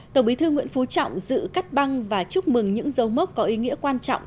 tổng bí thư nguyễn phú trọng dự cắt băng và chúc mừng những dấu mốc có ý nghĩa quan trọng